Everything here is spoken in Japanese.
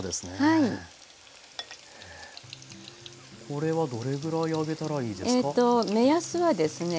これはどれぐらい揚げたらいいですか？